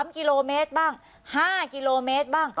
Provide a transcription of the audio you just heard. ๓กิโลเมตรบ้าง๕กิโลเมตรบ้าง